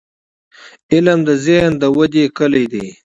• علم، د ذهن د ودې کلي ده.